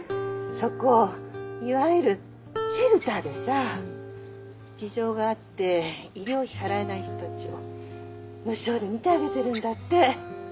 そこいわゆるシェルターでさ事情があって医療費払えない人たちを無償で診てあげてるんだって。